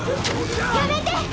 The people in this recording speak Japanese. やめて！